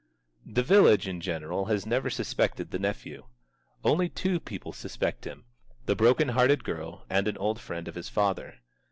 The village in general has never suspected the nephew. Only two people suspect him: the broken hearted girl and an old friend of his father.